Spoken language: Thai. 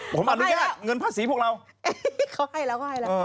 ผมอนุญาตเงินภาษีพวกเราเขาให้เราก็ให้แล้ว